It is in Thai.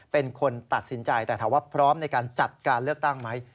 เป็นคนตัดสินใจแต่ถามว่าพร้อมในการจัดการเลือกตั้งไหม